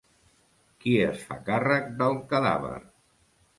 Qui es fa càrrec del cadàver?